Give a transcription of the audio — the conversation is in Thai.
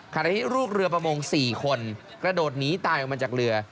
ขณะที่ลูกเรือประมง๔คนกระโดดหนีตายออกมาจากเรือ